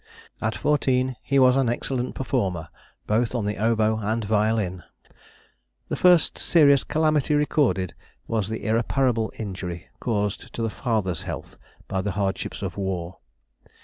At fourteen he was an excellent performer both on the oboe and violin. [Sidenote: 1743 1754. Early Recollections.] The first serious calamity recorded was the irreparable injury caused to the father's health by the hardships of war.